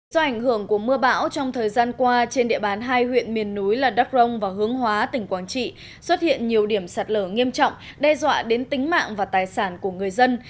do ảnh hưởng của mưa bão trong thời gian qua trên địa bàn hai huyện miền núi là đắk rông và hướng hóa tỉnh quảng trị xuất hiện nhiều điểm sạt lở nghiêm trọng đe dọa đến tính mạng và tài sản của người dân